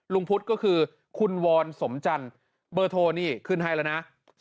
ลุงพุธก็คือคุณวรสมจัญเบอร์โทนี่ขึ้นให้ละนะ